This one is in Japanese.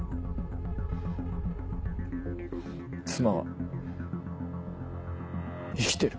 妻は生きてる。